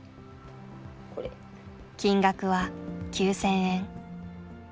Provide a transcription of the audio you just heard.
金額は９，０００円。